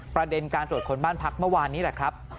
ประเด็นการตรวจคนบ้านพักเมื่อวานนี้แหละครับ